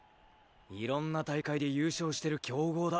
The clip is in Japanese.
いろんな大会で優勝してる強豪だ。